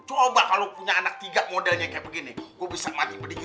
coba kalau punya anak tiga modelnya kayak begini gue bisa mati berdiri